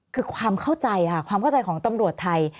คือความเข้าใจของตำรวจไทย